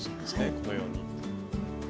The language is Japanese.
このように。